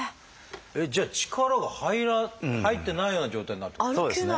えっじゃあ力が入ってないような状態になるってことですか？